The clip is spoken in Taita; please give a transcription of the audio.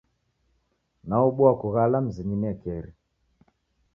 Naobua kughala mzinyi niekeri.